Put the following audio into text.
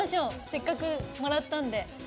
せっかくもらったんで。